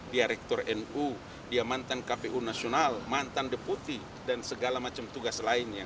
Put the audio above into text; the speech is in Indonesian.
direktur nu dia mantan kpu nasional mantan deputi dan segala macam tugas lainnya